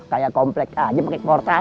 kayak komplek aja pakai portal